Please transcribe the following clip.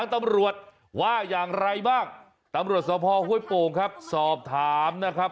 ตำรวจว่าอย่างไรบ้างตำรวจสภห้วยโป่งครับสอบถามนะครับ